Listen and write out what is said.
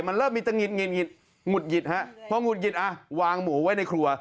มันเริ่มมีตะหิดหงุดหงิดฮะพอหุดหงิดอ่ะวางหมูไว้ในครัว